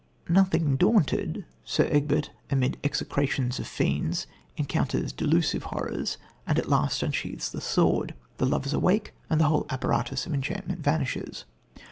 Nothing daunted, Sir Egbert amid execrations of fiends, encounters delusive horrors and at last unsheathes the sword. The lovers awake, and the whole apparatus of enchantment vanishes.